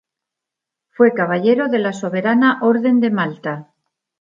Fue Caballero de la Soberana Orden de Malta.